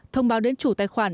thông báo đến chủ tài khoản